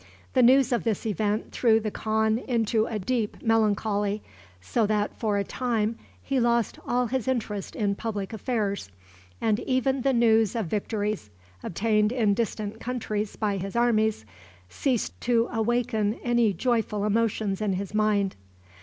The news of this event threw the khan into a deep melancholy, so that for a time he lost all his interest in public affairs, and even the news of victories obtained in distant countries by his armies ceased to awaken any joyful emotions in his mind.